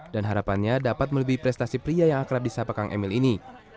dan harapannya dapat melebihi prestasi pria yang akrab di sapa kang emil ini